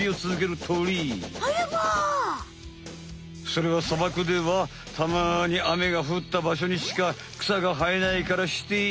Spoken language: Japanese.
それはさばくではたまに雨が降ったばしょにしかくさがはえないからして。